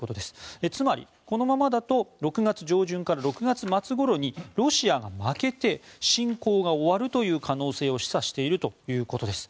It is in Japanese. つまり、このままだと６月上旬から６月末ごろにロシアが負けて侵攻が終わるという可能性を示唆しているということです。